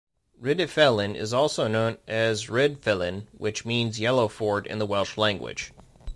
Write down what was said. Rhydyfelin is also known as Rhydfelen, which means "Yellow ford" in the Welsh language.